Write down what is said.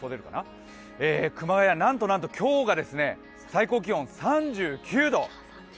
なんとなんと今日が最高気温３９度！